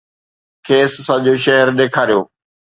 کيس سڄو شهر ڏيکاريو